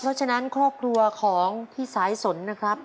เพราะฉะนั้นครอบครัวของพี่สายสนนะครับ